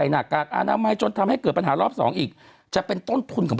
น่ะเพราะฉะนั้น